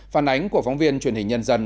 phản ánh của phóng viên truyền hình nhân dân